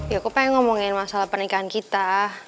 ya aku pengen ngomongin masalah pernikahan kita